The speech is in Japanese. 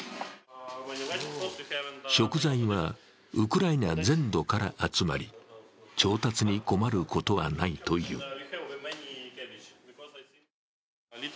食材はウクライナ全土から集まり、調達に困ることはないという。